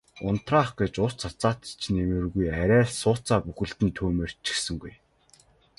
Унтраах гэж ус цацаад ч нэмэргүй арай л сууцаа бүхэлд нь түймэрдчихсэнгүй.